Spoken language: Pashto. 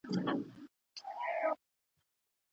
په لارو کي خطر نه وي.